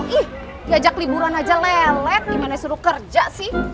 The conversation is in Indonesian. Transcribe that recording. ih diajak liburan aja lelet gimana suruh kerja sih